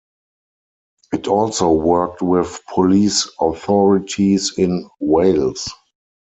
It also worked with police authorities in Wales.